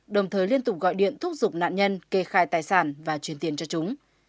đồng thời liên tục gọi điện thúc giục nạn nhân kê khai tài sản và truyền tiền cho chúng